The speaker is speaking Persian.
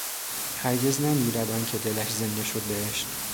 هرگز نمیرد آنکه دلش زنده شد به عشق